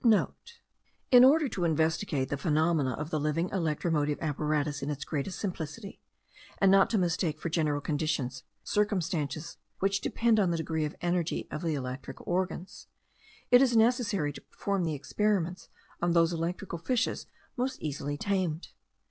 (* In order to investigate the phenomena of the living electromotive apparatus in its greatest simplicity, and not to mistake for general conditions circumstances which depend on the degree of energy of the electric organs, it is necessary to perform the experiments on those electrical fishes most easily tamed.